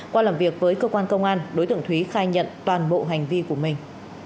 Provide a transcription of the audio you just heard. qua làm việc với cơ quan công an đối tượng thúy khai nhận toàn bộ hành vi của mình